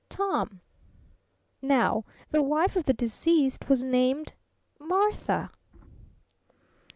TOM.' Now the wife of the deceased was named Martha."